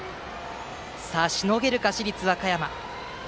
さあ、しのげるか市立和歌山。